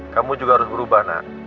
kamu juga harus berubah nak